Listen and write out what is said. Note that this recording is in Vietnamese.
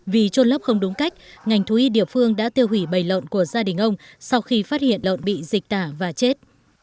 vì trôn lấp không đúng cách ngành thú y địa phương đã tiêu hủy bầy lợn của gia đình ông sau khi phát hiện lợn bị dịch tả và chết